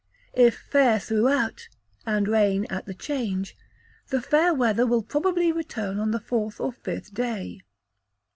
If fair throughout, and rain at the change, the fair weather will probably return on the fourth or fifth day.